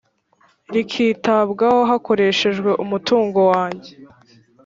rikitabwaho hakoreshejwe umutungo wanjye